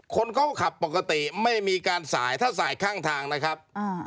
คนเขาก็ขับปกติไม่มีการสายถ้าสายข้างทางนะครับ